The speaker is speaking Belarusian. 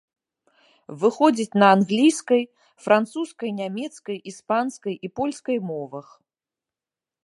Выходзіць на англійскай, французскай, нямецкай, іспанскай і польскай мовах.